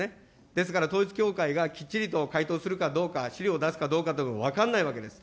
ですから、統一教会がきっちりと回答するかどうか、資料を出すかどうかというのも分からないわけです。